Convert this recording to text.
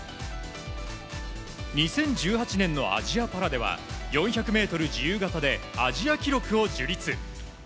２０１８年のアジアパラでは４００ｍ自由形でアジア記録を樹立。